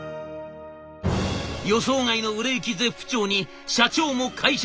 予想外の売れ行き絶不調に社長も会社も大騒ぎ。